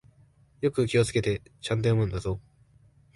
よく気をつけて、ちゃんと読むんだぞ。